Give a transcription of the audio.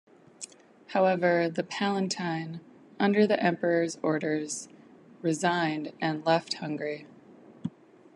However the Palatine, under the Emperor's orders, resigned and left Hungary.